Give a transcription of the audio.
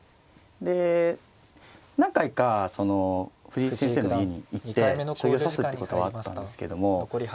で何回かその藤井先生の家に行って将棋を指すっていうことはあったんですけども